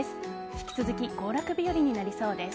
引き続き行楽日和になりそうです。